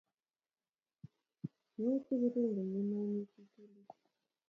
Muichut kurumbe ye maimuchi itul